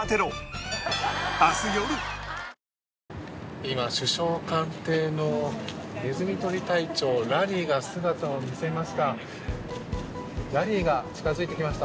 今、首相官邸のネズミ取り隊長、ラリーが姿を見せました。